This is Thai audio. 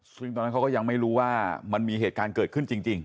ซึ่งตอนนั้นเขาก็ยังไม่รู้ว่ามันมีเหตุการณ์เกิดขึ้นจริง